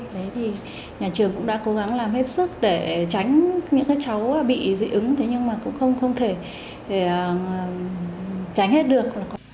thế thì nhà trường cũng đã cố gắng làm hết sức để tránh những cái cháu bị dị ứng thế nhưng mà cũng không thể tránh hết được